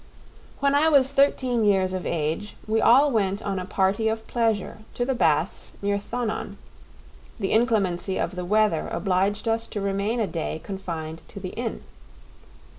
When I was thirteen years of age we all went on a party of pleasure to the baths near Thonon; the inclemency of the weather obliged us to remain a day confined to the inn.